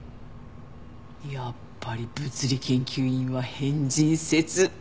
やっぱり物理研究員は変人説。